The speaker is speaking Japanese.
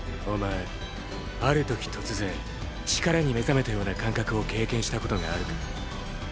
お前ある時突然力に目覚めたような感覚を経験したことがあるか？